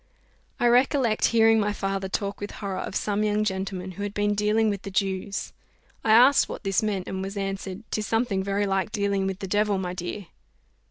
I recollect hearing my father talk with horror of some young gentleman who had been dealing with the Jews, I asked what this meant, and was answered, "'Tis something very like dealing with the devil, my dear."